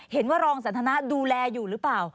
เห็นว่ารองสันทนาดูแลอยู่หรือเปล่า